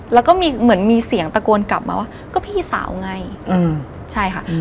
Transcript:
แล้วก็มีเหมือนมีเสียงตะโกนกลับมาว่าก็พี่สาวไงอืมใช่ค่ะ